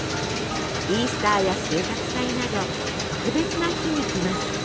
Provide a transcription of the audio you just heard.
イースターや収穫祭など特別な日に着ます。